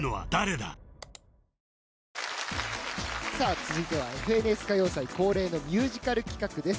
続いては「ＦＮＳ歌謡祭」恒例のミュージカル企画です。